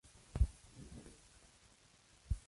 Hitler estaba bajo presión para actuar.